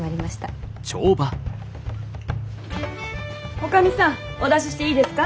女将さんお出ししていいですか？